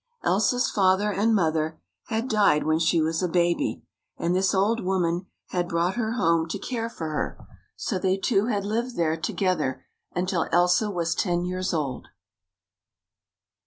Elsa's father and mother had died when she was a baby, and this old woman had brought her home to 90 THE FOREST FULL OF FRIENDS care for her, so they two had lived there together until Elsa was ten years old.